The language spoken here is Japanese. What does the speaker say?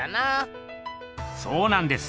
そうなんです！